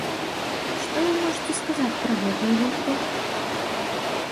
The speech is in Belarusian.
Што вы можаце сказаць пра гэтыя гурты?